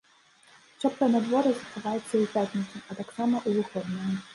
Цёплае надвор'е захаваецца і ў пятніцу, а таксама ў выходныя.